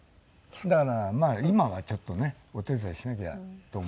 だからまあ今はちょっとねお手伝いしなきゃと思って。